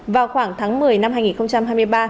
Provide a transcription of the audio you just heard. vào khoảng tháng một mươi năm hai nghìn hai mươi ba